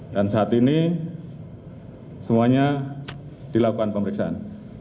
dan saat ini semuanya dilakukan pemeriksaan